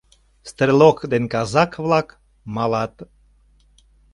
Стрелок ден казак-влак малат.